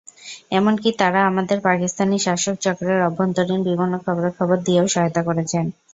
এমনকি তাঁরা আমাদের পাকিস্তানি শাসক চক্রের অভ্যন্তরীণ বিভিন্ন খবরাখবর দিয়েও সহায়তা করেছেন।